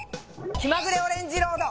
「きまぐれオレンジ☆ロード」